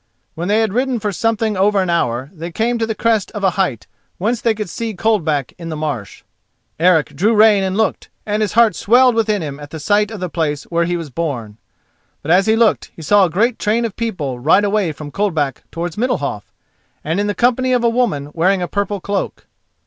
When they had ridden for something over an hour they came to the crest of a height whence they could see Coldback in the Marsh. Eric drew rein and looked, and his heart swelled within him at the sight of the place where he was born. But as he looked he saw a great train of people ride away from Coldback towards Middalhof—and in the company a woman wearing a purple cloak.